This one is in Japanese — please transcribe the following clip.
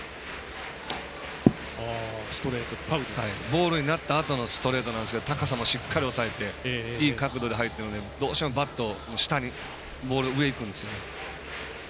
ボールになったあとのストレート高さもしっかり抑えていい角度で入ってるのでどうしてもバット、下にボールが上にいくんですよね。